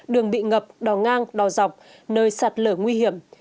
đường bị ngập đò ngang đò dọc nơi sạt lở nguy hiểm